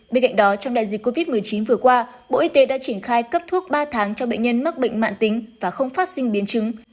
bên cạnh đó trong đại dịch covid một mươi chín vừa qua bộ y tế đã triển khai cấp thuốc ba tháng cho bệnh nhân mắc bệnh mạng tính và không phát sinh biến chứng